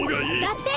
だって！